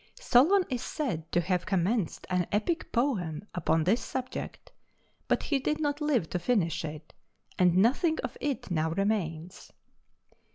Solon is said to have commenced an epic poem upon this subject, but he did not live to finish it, and nothing of it now remains.